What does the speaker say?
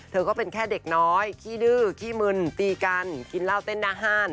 ก็เป็นแค่เด็กน้อยขี้ดื้อขี้มึนตีกันกินเหล้าเต้นอาหาร